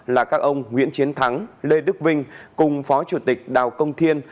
là các ông nguyễn chiến thắng lê đức vinh cùng phó chủ tịch đào công thiên